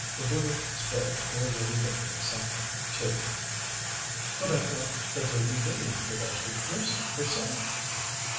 It would have spared poor Lady Vivian something, too." "But I thought that Lady Vivian did all the nursing herself?"